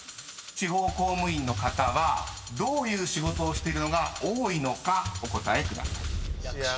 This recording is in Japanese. ［地方公務員の方はどういう仕事をしているのが多いのかお答えください］